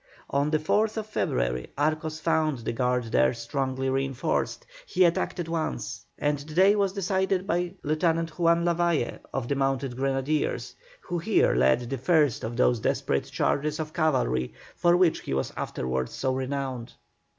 On the 4th February Arcos found the guard there strongly reinforced; he attacked at once, and the day was decided by Lieutenant Juan Lavalle, of the mounted grenadiers, who here led the first of those desperate charges of cavalry for which he was afterwards so renowned.